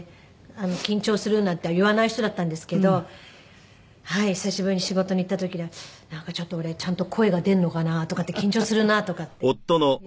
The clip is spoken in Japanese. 「緊張する」なんて言わない人だったんですけど久しぶりに仕事に行った時には「なんかちょっと俺ちゃんと声が出るのかな」とかって「緊張するな」とかって。